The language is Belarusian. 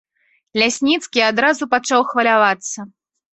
Лясніцкі адразу пачаў хвалявацца.